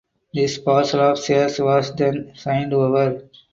This parcel of shares was then signed over.